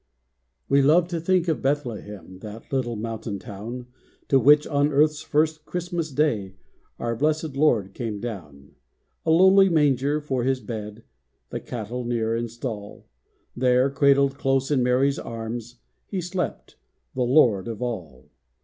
We love to think of Bethlehem, That little mountain town, To which, on earth's first Christmas Day, Our blessed Lord came down. A lowly manger for His bed, The cattle near in stall, There, cradled close in Mary's arms, He slept, the Lord of all.